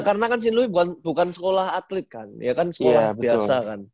karena kan st louis bukan sekolah atlet kan ya kan sekolah biasa kan